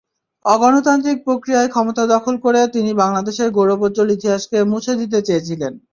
অগণতান্ত্রিক প্রক্রিয়ায় ক্ষমতা দখল করে তিনি বাংলাদেশের গৌরবোজ্জ্বল ইতিহাসকে মুছে দিতে চেয়েছিলেন।